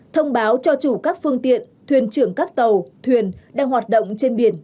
thông báo cho chủ các phương tiện thuyền trưởng các tàu thuyền đang hoạt động trên biển